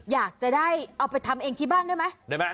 อยากจะได้เอาไปทำเองที่บ้านได้ไหม